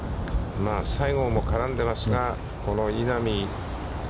西郷も絡んでますが、この稲見。